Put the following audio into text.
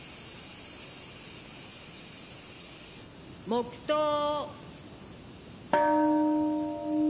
黙とう。